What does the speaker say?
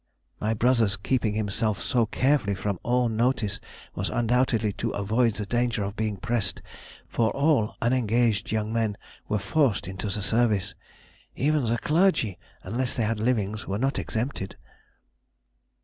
My brother's keeping himself so carefully from all notice was undoubtedly to avoid the danger of being pressed, for all unengaged young men were forced into the service. Even the clergy, unless they had livings, were not exempted."